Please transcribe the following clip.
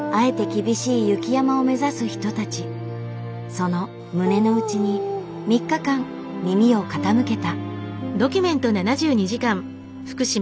その胸の内に３日間耳を傾けた。